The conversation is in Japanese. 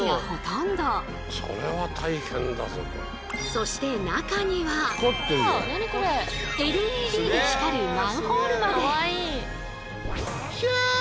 そしてＬＥＤで光るマンホールまで。